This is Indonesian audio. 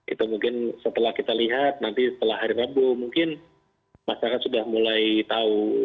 itu mungkin setelah kita lihat nanti setelah hari rabu mungkin masyarakat sudah mulai tahu